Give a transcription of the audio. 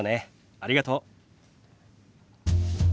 ありがとう。